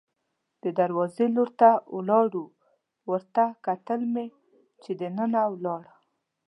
د دروازې لور ته ولاړو، ورته کتل مې چې دننه ولاړه.